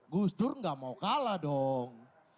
gus dur gak mau kalah dong